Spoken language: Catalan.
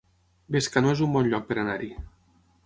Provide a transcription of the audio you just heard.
Bescanó es un bon lloc per anar-hi